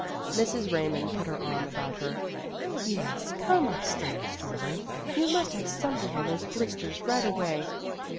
Mrs, Raymond put her arm about her. "Yes, come upstairs, darling. You must have something on those blisters right away.